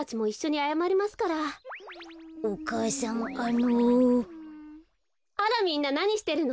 あらみんななにしてるの？